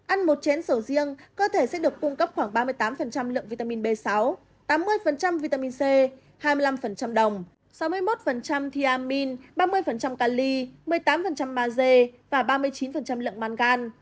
ăn một chén sầu riêng cơ thể sẽ được cung cấp khoảng ba mươi tám lượng vitamin b sáu tám mươi vitamin c hai mươi năm đồng sáu mươi một thiamin ba mươi kali một mươi tám maze và ba mươi chín lượng mangan